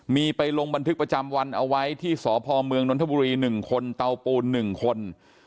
มีไปลงบันทึกประจำวันเอาไว้ที่สพเมืองนทบุรี๑คนเตาปูน๑คน